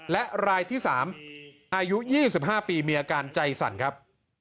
และรายที่๓อายุ๒๕ปีมีอาการใจสั่นครับ